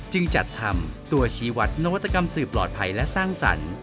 จัดทำตัวชี้วัดนวัตกรรมสื่อปลอดภัยและสร้างสรรค์